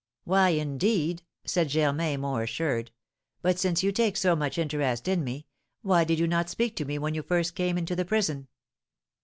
"Why, indeed," said Germain, more assured; "but since you take so much interest in me, why did you not speak to me when you came first into the prison?"